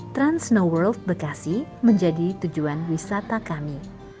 transnoworld bekasi menjadi tujuan wisata kami